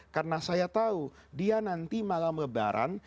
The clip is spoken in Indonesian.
karena saya tahu dia nanti malam lebaran